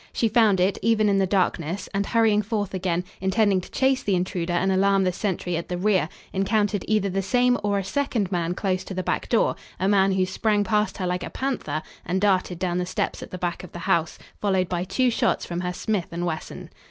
She found it, even in the darkness and, hurrying forth again, intending to chase the intruder and alarm the sentry at the rear, encountered either the same or a second man close to the back door, a man who sprang past her like a panther and darted down the steps at the back of the house, followed by two shots from her Smith & Wesson.